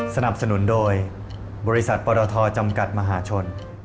สนับสนุนโดยบริษัทปรทจำกัดมหาชน